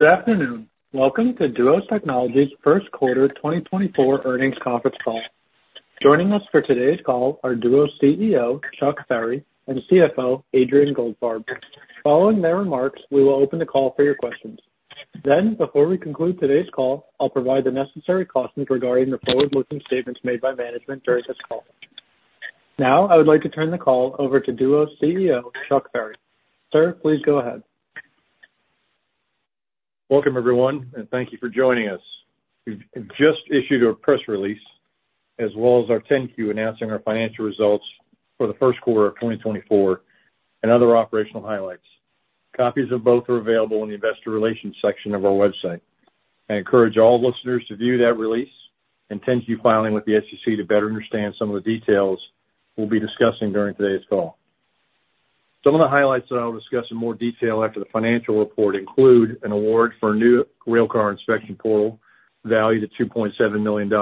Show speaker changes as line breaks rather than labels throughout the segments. Good afternoon. Welcome to Duos Technologies' first quarter 2024 earnings conference call. Joining us for today's call are Duos CEO Chuck Ferry and CFO Adrian Goldfarb. Following their remarks, we will open the call for your questions. Then, before we conclude today's call, I'll provide the necessary cautions regarding the forward-looking statements made by management during this call. Now I would like to turn the call over to Duos CEO Chuck Ferry. Sir, please go ahead.
Welcome, everyone, and thank you for joining us. We've just issued a press release as well as our 10-Q announcing our financial results for the first quarter of 2024 and other operational highlights. Copies of both are available in the investor relations section of our website. I encourage all listeners to view that release, and 10-Q filing with the SEC to better understand some of the details we'll be discussing during today's call. Some of the highlights that I'll discuss in more detail after the financial report include an award for a new Railcar Inspection Portal valued at $2.7 million,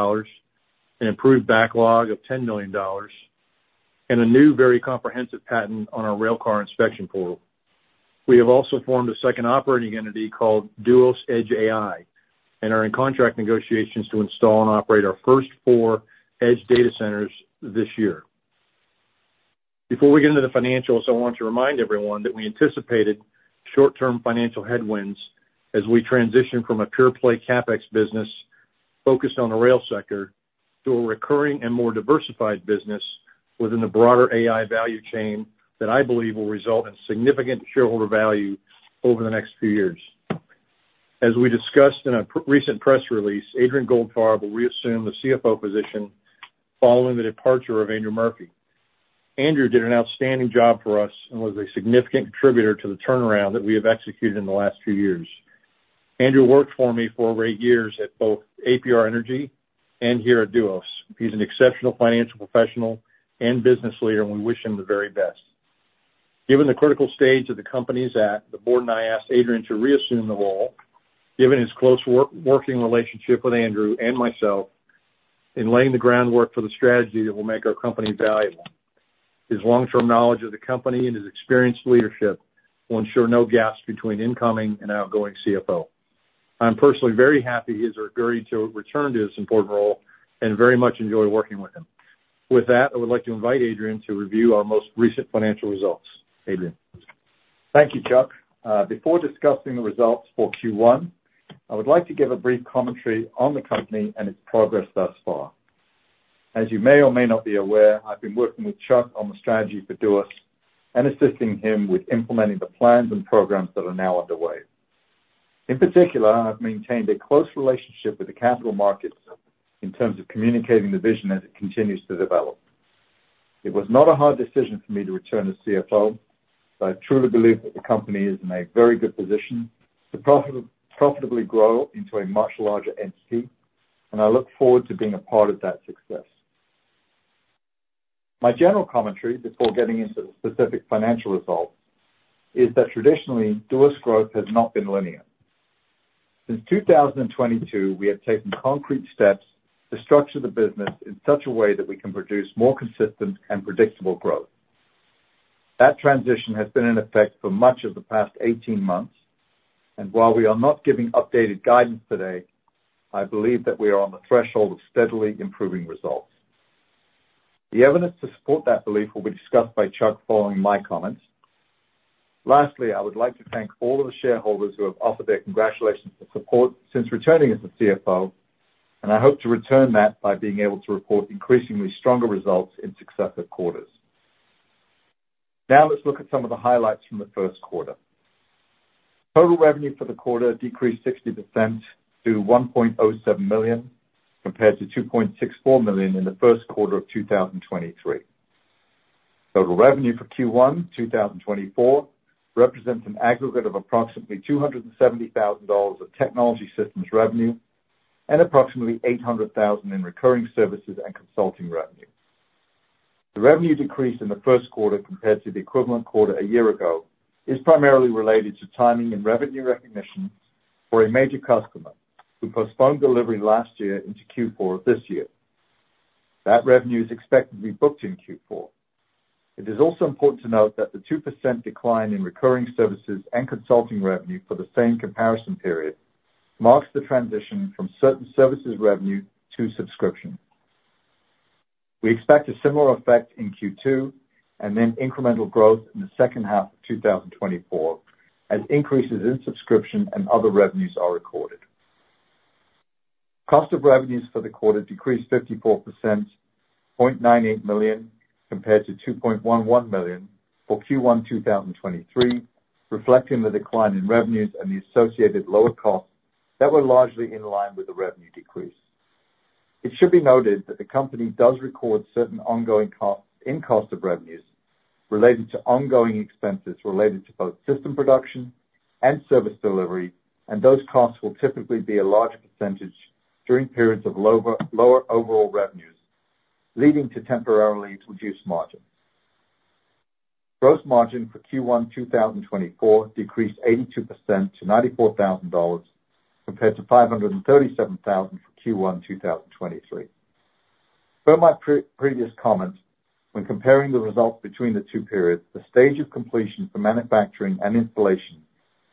an improved backlog of $10 million, and a new, very comprehensive patent on our Railcar Inspection Portal. We have also formed a second operating entity called Duos Edge AI and are in contract negotiations to install and operate our first four edge data centers this year. Before we get into the financials, I want to remind everyone that we anticipated short-term financial headwinds as we transition from a pure-play CapEx business focused on the rail sector to a recurring and more diversified business within the broader AI value chain that I believe will result in significant shareholder value over the next few years. As we discussed in a recent press release, Adrian Goldfarb will reassume the CFO position following the departure of Andrew Murphy. Andrew did an outstanding job for us and was a significant contributor to the turnaround that we have executed in the last few years. Andrew worked for me for over eight years at both APR Energy and here at Duos. He's an exceptional financial professional and business leader, and we wish him the very best. Given the critical stage that the company is at, the board and I asked Adrian to reassume the role, given his close working relationship with Andrew and myself, in laying the groundwork for the strategy that will make our company valuable. His long-term knowledge of the company and his experienced leadership will ensure no gaps between incoming and outgoing CFO. I'm personally very happy he has the authority to return to this important role and very much enjoy working with him. With that, I would like to invite Adrian to review our most recent financial results. Adrian.
Thank you, Chuck. Before discussing the results for Q1, I would like to give a brief commentary on the company and its progress thus far. As you may or may not be aware, I've been working with Chuck on the strategy for Duos and assisting him with implementing the plans and programs that are now underway. In particular, I've maintained a close relationship with the capital markets in terms of communicating the vision as it continues to develop. It was not a hard decision for me to return as CFO, but I truly believe that the company is in a very good position to profitably grow into a much larger entity, and I look forward to being a part of that success. My general commentary before getting into the specific financial results is that traditionally, Duos' growth has not been linear. Since 2022, we have taken concrete steps to structure the business in such a way that we can produce more consistent and predictable growth. That transition has been in effect for much of the past 18 months, and while we are not giving updated guidance today, I believe that we are on the threshold of steadily improving results. The evidence to support that belief will be discussed by Chuck following my comments. Lastly, I would like to thank all of the shareholders who have offered their congratulations for support since returning as the CFO, and I hope to return that by being able to report increasingly stronger results in successive quarters. Now let's look at some of the highlights from the first quarter. Total revenue for the quarter decreased 60% to $1.07 million compared to $2.64 million in the first quarter of 2023. Total revenue for Q1 2024 represents an aggregate of approximately $270,000 of technology systems revenue and approximately $800,000 in recurring services and consulting revenue. The revenue decrease in the first quarter compared to the equivalent quarter a year ago is primarily related to timing and revenue recognition for a major customer who postponed delivery last year into Q4 of this year. That revenue is expected to be booked in Q4. It is also important to note that the 2% decline in recurring services and consulting revenue for the same comparison period marks the transition from certain services revenue to subscription. We expect a similar effect in Q2 and then incremental growth in the second half of 2024 as increases in subscription and other revenues are recorded. Cost of revenues for the quarter decreased 54% to $0.98 million compared to $2.11 million for Q1 2023, reflecting the decline in revenues and the associated lower costs that were largely in line with the revenue decrease. It should be noted that the company does record certain ongoing costs in cost of revenues related to ongoing expenses related to both system production and service delivery, and those costs will typically be a larger percentage during periods of lower overall revenues leading to temporarily reduced margins. Gross margin for Q1 2024 decreased 82% to $94,000 compared to $537,000 for Q1 2023. Per my previous comment, when comparing the results between the two periods, the stage of completion for manufacturing and installation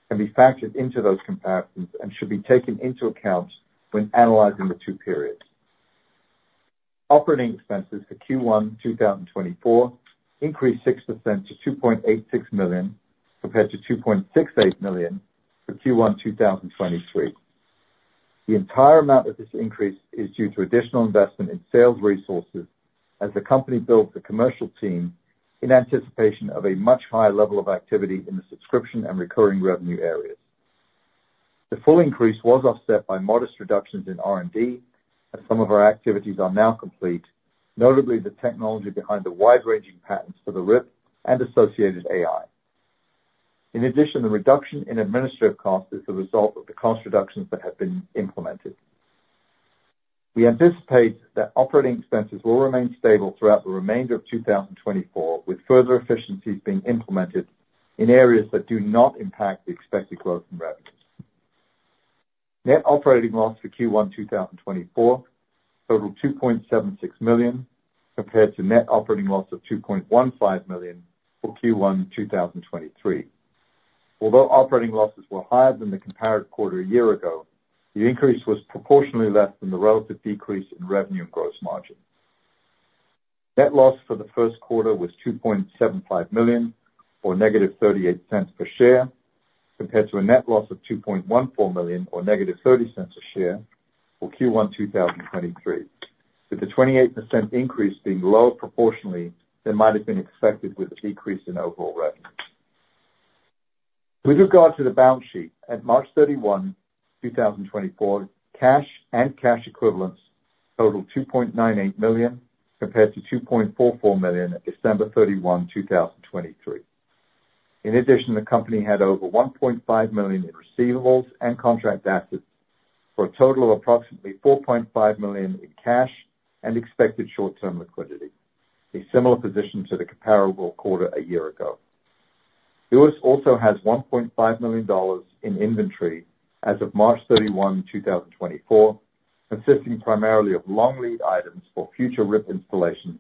can be factored into those comparisons and should be taken into account when analyzing the two periods. Operating expenses for Q1 2024 increased 6% to $2.86 million compared to $2.68 million for Q1 2023. The entire amount of this increase is due to additional investment in sales resources as the company builds a commercial team in anticipation of a much higher level of activity in the subscription and recurring revenue areas. The full increase was offset by modest reductions in R&D as some of our activities are now complete, notably the technology behind the wide-ranging patents for the RIP and associated AI. In addition, the reduction in administrative costs is the result of the cost reductions that have been implemented. We anticipate that operating expenses will remain stable throughout the remainder of 2024, with further efficiencies being implemented in areas that do not impact the expected growth in revenue. Net operating loss for Q1 2024 totaled $2.76 million compared to net operating loss of $2.15 million for Q1 2023. Although operating losses were higher than the comparative quarter a year ago, the increase was proportionally less than the relative decrease in revenue and gross margin. Net loss for the first quarter was $2.75 million or -$0.38 per share compared to a net loss of $2.14 million or -$0.30 a share for Q1 2023, with the 28% increase being lower proportionally than might have been expected with a decrease in overall revenue. With regard to the balance sheet, at March 31, 2024, cash and cash equivalents totaled $2.98 million compared to $2.44 million at December 31, 2023. In addition, the company had over $1.5 million in receivables and contract assets for a total of approximately $4.5 million in cash and expected short-term liquidity, a similar position to the comparable quarter a year ago. Duos also has $1.5 million in inventory as of March 31, 2024, consisting primarily of long lead items for future RIP installations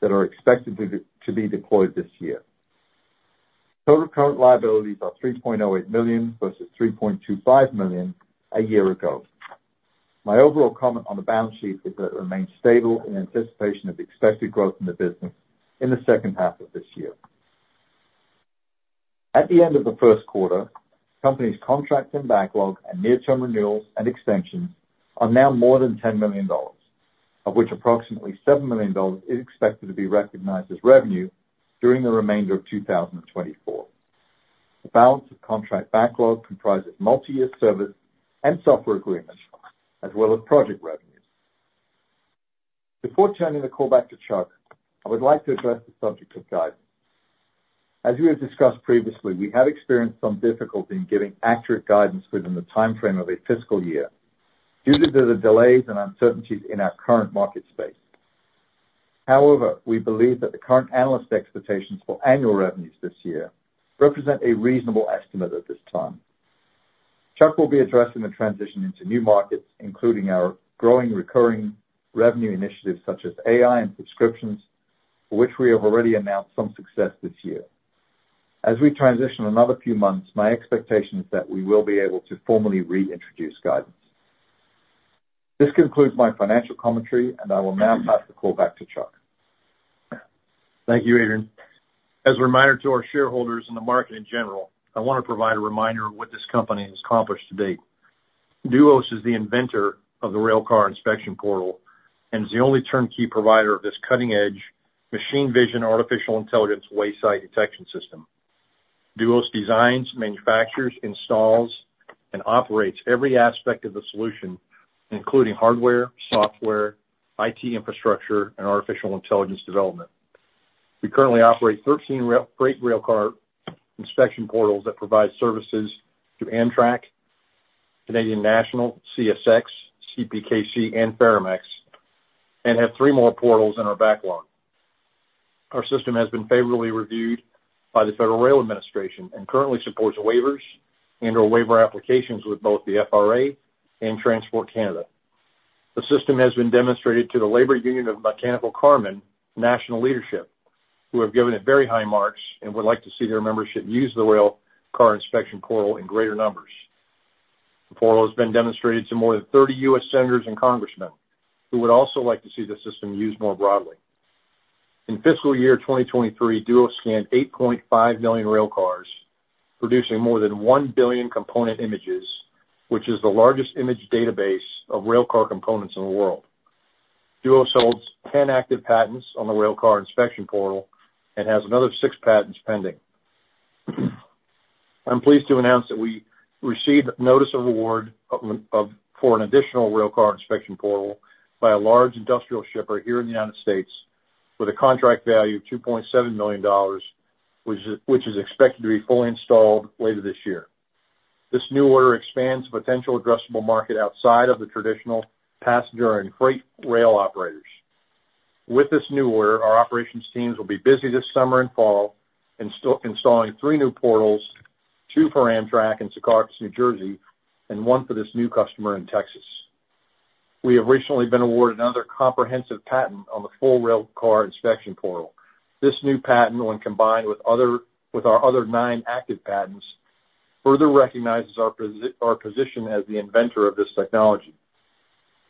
that are expected to be deployed this year. Total current liabilities are $3.08 million versus $3.25 million a year ago. My overall comment on the balance sheet is that it remains stable in anticipation of expected growth in the business in the second half of this year. At the end of the first quarter, the company's contracting backlog and near-term renewals and extensions are now more than $10 million, of which approximately $7 million is expected to be recognized as revenue during the remainder of 2024. The balance of contract backlog comprises multi-year service and software agreements as well as project revenues. Before turning the call back to Chuck, I would like to address the subject of guidance. As we have discussed previously, we have experienced some difficulty in giving accurate guidance within the time frame of a fiscal year due to the delays and uncertainties in our current market space. However, we believe that the current analyst expectations for annual revenues this year represent a reasonable estimate at this time. Chuck will be addressing the transition into new markets, including our growing recurring revenue initiatives such as AI and subscriptions, for which we have already announced some success this year. As we transition another few months, my expectation is that we will be able to formally reintroduce guidance. This concludes my financial commentary, and I will now pass the call back to Chuck.
Thank you, Adrian. As a reminder to our shareholders and the market in general, I want to provide a reminder of what this company has accomplished to date. Duos is the inventor of the Railcar Inspection Portal and is the only turnkey provider of this cutting-edge machine vision artificial intelligence wayside detection system. Duos designs, manufactures, installs, and operates every aspect of the solution, including hardware, software, IT infrastructure, and artificial intelligence development. We currently operate 13 freight Railcar Inspection Portals that provide services to Amtrak, Canadian National, CSX, CPKC, and Ferromex, and have 3 more portals in our backlog. Our system has been favorably reviewed by the Federal Railroad Administration and currently supports waivers and/or waiver applications with both the FRA and Transport Canada. The system has been demonstrated to the Labor Union of Mechanical Carmen national leadership, who have given it very high marks and would like to see their membership use the Railcar Inspection Portal in greater numbers. The portal has been demonstrated to more than 30 U.S. senators and congressmen who would also like to see the system used more broadly. In fiscal year 2023, Duos scanned 8.5 million railcars, producing more than 1 billion component images, which is the largest image database of railcar components in the world. Duos holds 10 active patents on the Railcar Inspection Portal and has another six patents pending. I'm pleased to announce that we received notice of award for an additional Railcar Inspection Portal by a large industrial shipper here in the United States with a contract value of $2.7 million, which is expected to be fully installed later this year. This new order expands the potential addressable market outside of the traditional passenger and freight rail operators. With this new order, our operations teams will be busy this summer and fall installing 3 new portals, 2 for Amtrak in Secaucus, New Jersey, and 1 for this new customer in Texas. We have recently been awarded another comprehensive patent on the full Railcar Inspection Portal. This new patent, when combined with our other 9 active patents, further recognizes our position as the inventor of this technology.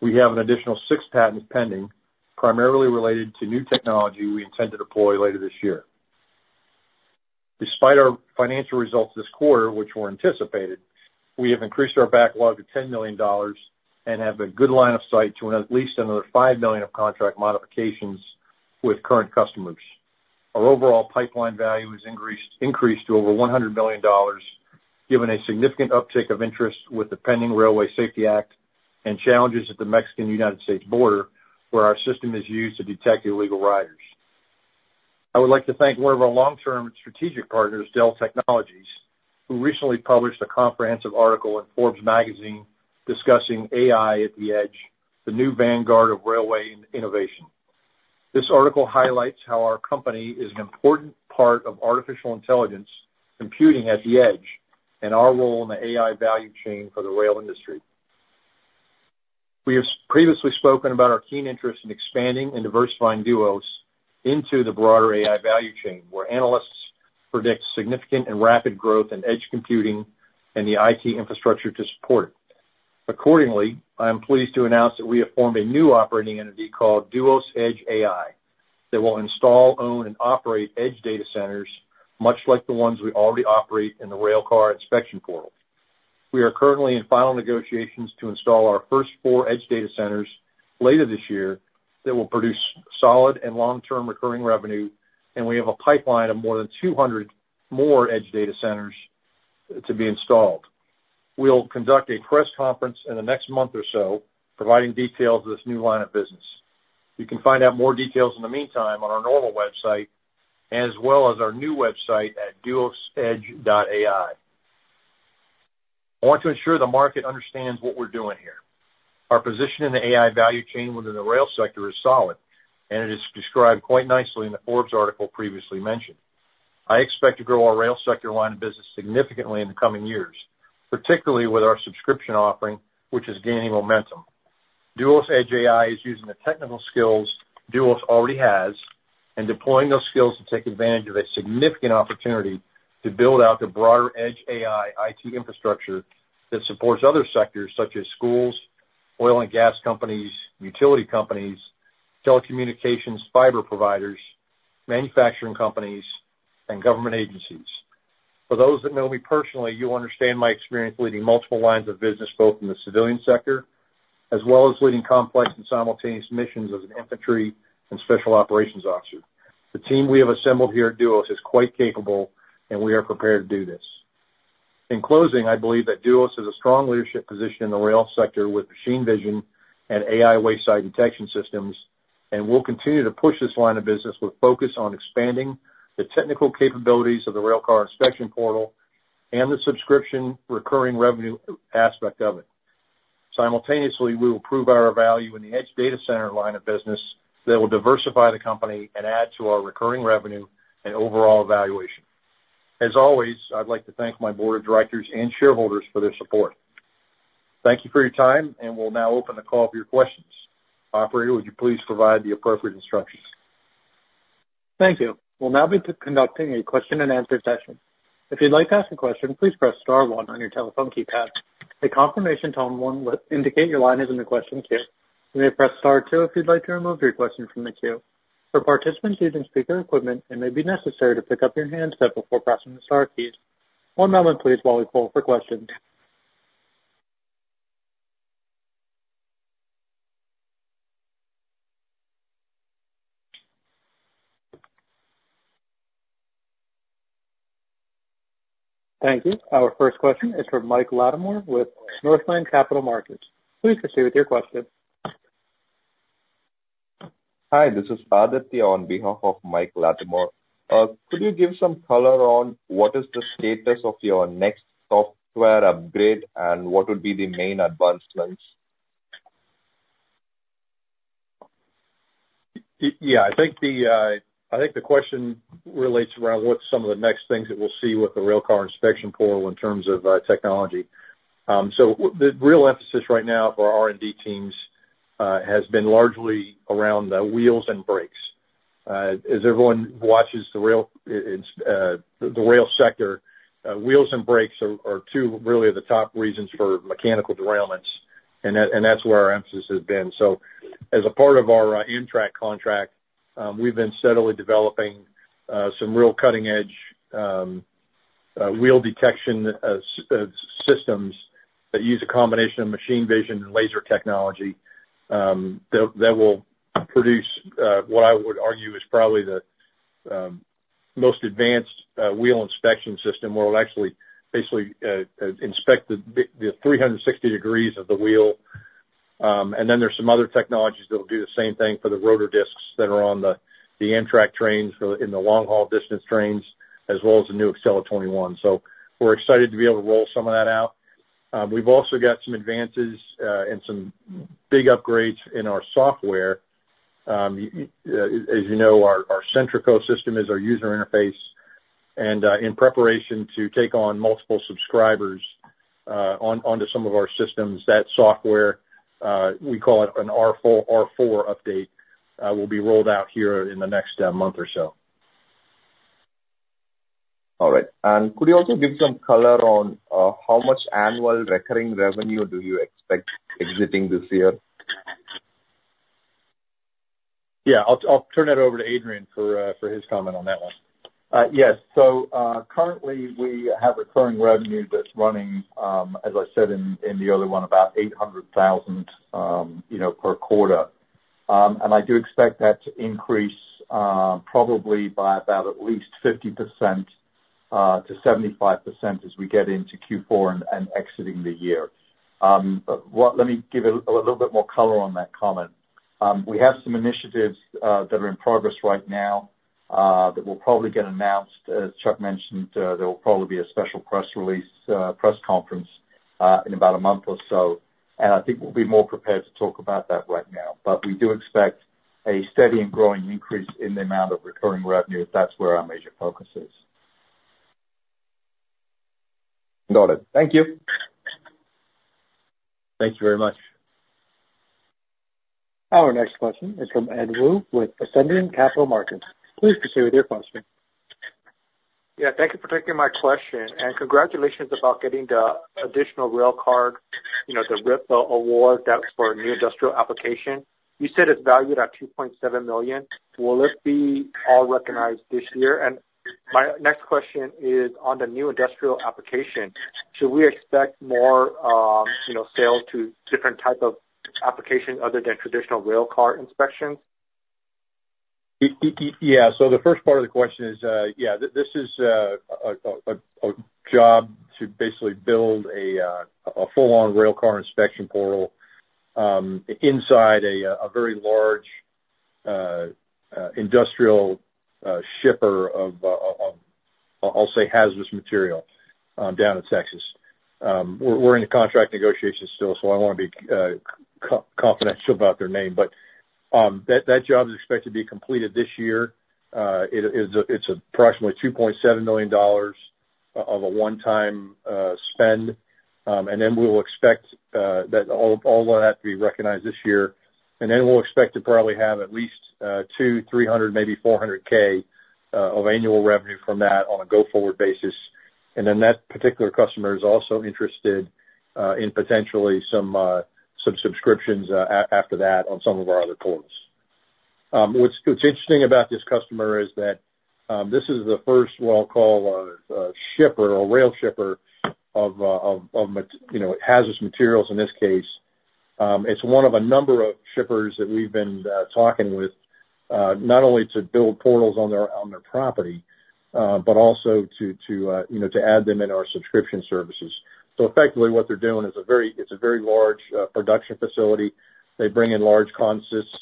We have an additional 6 patents pending, primarily related to new technology we intend to deploy later this year. Despite our financial results this quarter, which were anticipated, we have increased our backlog to $10 million and have a good line of sight to at least another $5 million of contract modifications with current customers. Our overall pipeline value has increased to over $100 million, given a significant uptick of interest with the pending Railway Safety Act and challenges at the Mexican-United States border where our system is used to detect illegal riders. I would like to thank one of our long-term strategic partners, Dell Technologies, who recently published a comprehensive article in Forbes Magazine discussing AI at the edge, the new vanguard of railway innovation. This article highlights how our company is an important part of artificial intelligence computing at the edge and our role in the AI value chain for the rail industry. We have previously spoken about our keen interest in expanding and diversifying Duos into the broader AI value chain, where analysts predict significant and rapid growth in edge computing and the IT infrastructure to support it. Accordingly, I am pleased to announce that we have formed a new operating entity called Duos Edge AI that will install, own, and operate edge data centers much like the ones we already operate in the Railcar Inspection Portal. We are currently in final negotiations to install our first four edge data centers later this year that will produce solid and long-term recurring revenue, and we have a pipeline of more than 200 more edge data centers to be installed. We'll conduct a press conference in the next month or so providing details of this new line of business. You can find out more details in the meantime on our normal website as well as our new website at duosedge.ai. I want to ensure the market understands what we're doing here. Our position in the AI value chain within the rail sector is solid, and it is described quite nicely in the Forbes article previously mentioned. I expect to grow our rail sector line of business significantly in the coming years, particularly with our subscription offering, which is gaining momentum. Duos Edge AI is using the technical skills Duos already has and deploying those skills to take advantage of a significant opportunity to build out the broader Edge AI IT infrastructure that supports other sectors such as schools, oil and gas companies, utility companies, telecommunications, fiber providers, manufacturing companies, and government agencies. For those that know me personally, you understand my experience leading multiple lines of business both in the civilian sector as well as leading complex and simultaneous missions as an infantry and special operations officer. The team we have assembled here at Duos is quite capable, and we are prepared to do this. In closing, I believe that Duos has a strong leadership position in the rail sector with machine vision AI wayside detection systems, and we'll continue to push this line of business with focus on expanding the technical capabilities of the Railcar Inspection Portal and the subscription recurring revenue aspect of it. Simultaneously, we will prove our value in the edge data center line of business that will diversify the company and add to our recurring revenue and overall valuation. As always, I'd like to thank my board of directors and shareholders for their support. Thank you for your time, and we'll now open the call for your questions. Operator, would you please provide the appropriate instructions?
Thank you. We'll now be conducting a question-and-answer session. If you'd like to ask a question, please press star one on your telephone keypad. The confirmation tone will indicate your line is in the question queue. You may press star two if you'd like to remove your question from the queue. For participants using speaker equipment, it may be necessary to pick up your handset before pressing the star keys. One moment, please, while we pull for questions. Thank you. Our first question is from Mike Latimore with Northland Capital Markets. Please proceed with your question.
Hi. This is Aditya on behalf of Mike Latimore. Could you give some color on what is the status of your next software upgrade and what would be the main advancements?
Yeah. I think the question relates around what's some of the next things that we'll see with the Railcar Inspection Portal in terms of technology. So the real emphasis right now for our R&D teams has been largely around the wheels and brakes. As everyone watches the rail sector, wheels and brakes are two really of the top reasons for mechanical derailments, and that's where our emphasis has been. So as a part of our Amtrak contract, we've been steadily developing some real cutting-edge wheel detection systems that use a combination of machine vision and laser technology that will produce what I would argue is probably the most advanced wheel inspection system where it'll actually basically inspect the 360 degrees of the wheel. And then there's some other technologies that'll do the same thing for the rotor discs that are on the Amtrak trains in the long-haul distance trains as well as the new Acela 21. So we're excited to be able to roll some of that out. We've also got some advances and some big upgrades in our software. As you know, our Centraco system is our user interface. And in preparation to take on multiple subscribers onto some of our systems, that software, we call it an R4 update, will be rolled out here in the next month or so.
All right. Could you also give some color on how much annual recurring revenue do you expect exiting this year?
Yeah. I'll turn it over to Adrian for his comment on that one.
Yes. So currently, we have recurring revenue that's running, as I said in the other one, about $800,000 per quarter. And I do expect that to increase probably by about at least 50%-75% as we get into Q4 and exiting the year. Let me give a little bit more color on that comment. We have some initiatives that are in progress right now that will probably get announced. As Chuck mentioned, there will probably be a special press release press conference in about a month or so. And I think we'll be more prepared to talk about that right now. But we do expect a steady and growing increase in the amount of recurring revenue if that's where our major focus is.
Got it. Thank you.
Thank you very much.
Our next question is from Ed Woo with Ascendiant Capital Markets. Please proceed with your question.
Yeah. Thank you for taking my question. Congratulations about getting the additional railcar, the RIP award for new industrial application. You said it's valued at $2.7 million. Will it be all recognized this year? My next question is, on the new industrial application, should we expect more sales to different types of applications other than traditional railcar inspections?
Yeah. So the first part of the question is, yeah, this is a job to basically build a full-on Railcar Inspection Portal inside a very large industrial shipper of, I'll say, hazardous material down in Texas. We're in contract negotiations still, so I want to be confidential about their name. But that job is expected to be completed this year. It's approximately $2.7 million of a one-time spend. And then we'll expect that all of that to be recognized this year. And then we'll expect to probably have at least $200,000, $300,000, maybe $400,000 of annual revenue from that on a go-forward basis. And then that particular customer is also interested in potentially some subscriptions after that on some of our other portals. What's interesting about this customer is that this is the first, what I'll call, shipper or rail shipper of hazardous materials in this case. It's one of a number of shippers that we've been talking with not only to build portals on their property but also to add them in our subscription services. So effectively, what they're doing is it's a very large production facility. They bring in large consists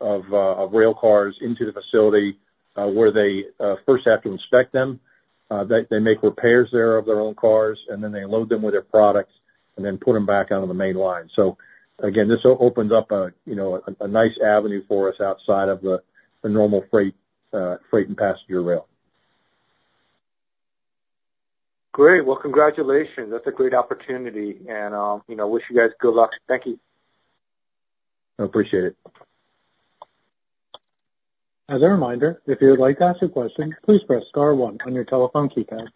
of railcars into the facility where they first have to inspect them. They make repairs there of their own cars, and then they load them with their product and then put them back onto the main line. So again, this opens up a nice avenue for us outside of the normal freight and passenger rail.
Great. Well, congratulations. That's a great opportunity. I wish you guys good luck. Thank you.
I appreciate it.
As a reminder, if you'd like to ask a question, please press star one on your telephone keypad.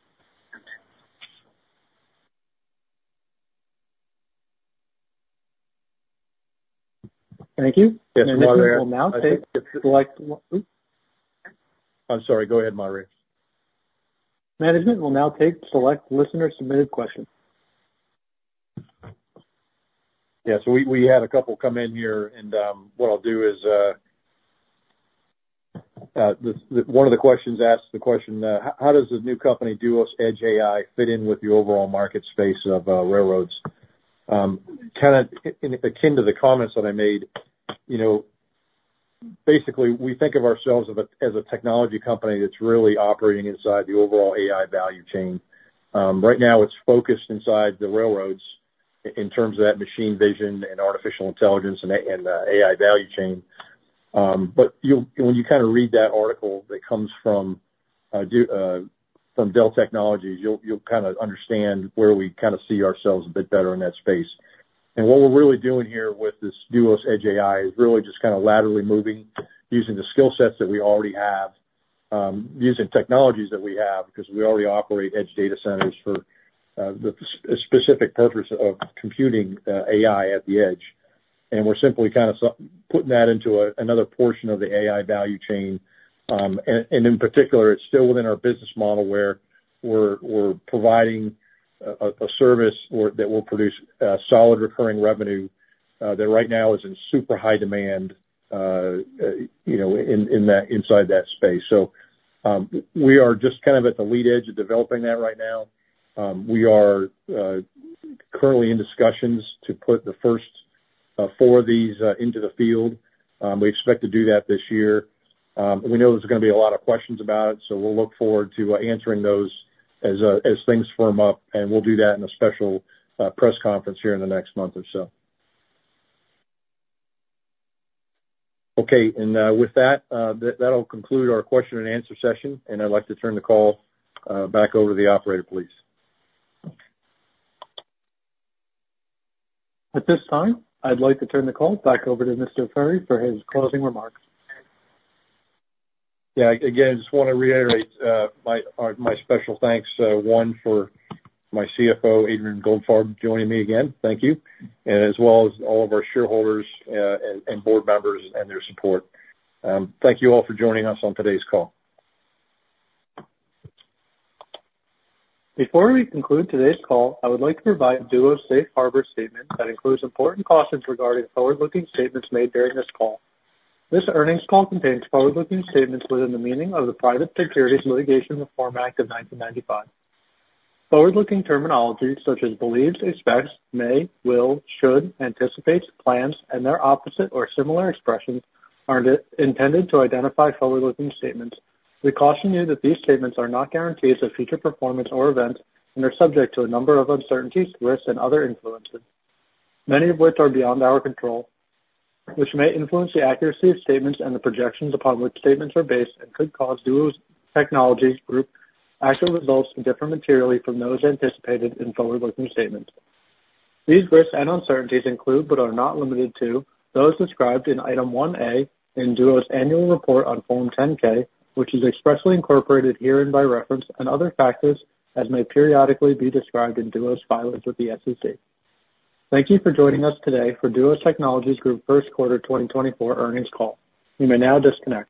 Thank you.
I'm sorry. Go ahead, Murray.
Management will now take select listener-submitted questions.
Yeah. So we had a couple come in here. And what I'll do is one of the questions asks the question, "How does the new company Duos Edge AI fit in with the overall market space of railroads?" Kind of akin to the comments that I made, basically, we think of ourselves as a technology company that's really operating inside the overall AI value chain. Right now, it's focused inside the railroads in terms of that machine vision and artificial intelligence and AI value chain. But when you kind of read that article that comes from Dell Technologies, you'll kind of understand where we kind of see ourselves a bit better in that space. What we're really doing here with this Duos Edge AI is really just kind of laterally moving using the skill sets that we already have, using technologies that we have because we already operate edge data centers for the specific purpose of computing AI at the edge. We're simply kind of putting that into another portion of the AI value chain. In particular, it's still within our business model where we're providing a service that will produce solid recurring revenue that right now is in super high demand inside that space. So we are just kind of at the lead edge of developing that right now. We are currently in discussions to put the first four of these into the field. We expect to do that this year. We know there's going to be a lot of questions about it, so we'll look forward to answering those as things firm up. And we'll do that in a special press conference here in the next month or so. Okay. And with that, that'll conclude our question-and-answer session. And I'd like to turn the call back over to the operator, please.
At this time, I'd like to turn the call back over to Mr. Ferry for his closing remarks.
Yeah. Again, I just want to reiterate my special thanks, one, for my CFO, Adrian Goldfarb, joining me again. Thank you. As well as all of our shareholders and board members and their support. Thank you all for joining us on today's call.
Before we conclude today's call, I would like to provide Duos' safe harbor statements that include important cautions regarding forward-looking statements made during this call. This earnings call contains forward-looking statements within the meaning of the Private Securities Litigation Reform Act of 1995. Forward-looking terminology such as believes, expects, may, will, should, anticipates, plans, and their opposite or similar expressions are intended to identify forward-looking statements. We caution you that these statements are not guarantees of future performance or events and are subject to a number of uncertainties, risks, and other influences, many of which are beyond our control, which may influence the accuracy of statements and the projections upon which statements are based and could cause Duos Technologies Group's actual results to differ materially from those anticipated in forward-looking statements. These risks and uncertainties include but are not limited to those described in Item 1A in Duos' annual report on Form 10-K, which is expressly incorporated herein by reference, and other factors as may periodically be described in Duos' filings with the SEC. Thank you for joining us today for Duos Technologies Group first quarter 2024 earnings call. You may now disconnect.